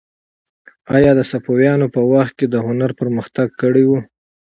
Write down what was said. آیا د صفویانو په وخت کې هنر پرمختګ کړی و؟